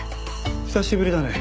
久しぶりだね。